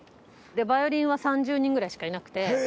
でヴァイオリンは３０人ぐらいしかいなくて。